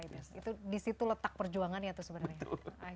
itu disitu letak perjuangan ya itu sebenarnya